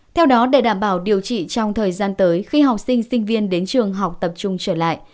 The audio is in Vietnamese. theo đó để đảm bảo điều trị trong thời gian tới khi học sinh sinh viên đến trường học tập trung trở lại